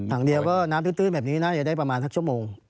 อย่างเดียวก็น้ำตื้นแบบนี้น่าจะได้ประมาณสักชั่วโมง